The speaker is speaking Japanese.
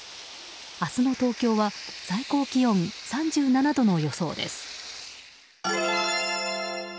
明日の東京は最高気温３７度の予想です。